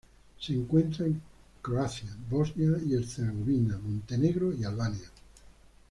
Se encuentra en Croacia, Bosnia y Herzegovina, Montenegro y Albania.